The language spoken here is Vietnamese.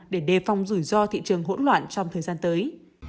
để đề phòng rủi ro thị trường hỗn loạn trong thời gian tới